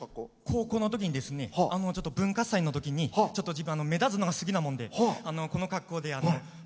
高校のときにちょっと文化祭のときにちょっと、自分、目立つのが好きなもんでこの格好で。